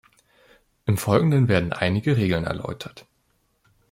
Im Folgenden werden einige Regeln erläutert.